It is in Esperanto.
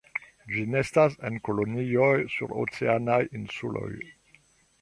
Ĝi nestas en kolonioj sur oceanaj insuloj.